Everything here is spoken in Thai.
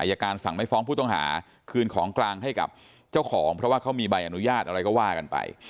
การสั่งไม่ฟ้องผู้ต้องหาคืนของกลางให้กับเจ้าของเพราะว่าเขามีใบอนุญาตอะไรก็ว่ากันไป